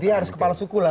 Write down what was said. dia harus kepala suku lah